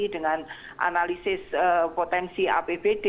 dengan analisis potensi apbd